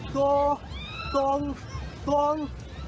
ต่อตัวตรงตรง